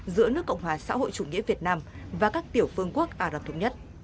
giữa nước cộng hòa xã hội chủ nghĩa việt nam và các tiểu phương quốc ả rập thống nhất